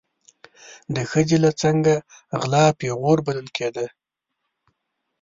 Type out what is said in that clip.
د ښځې له څنګه غلا پیغور بلل کېده.